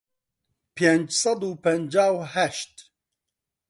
پێنج سەد و پەنجا و هەشت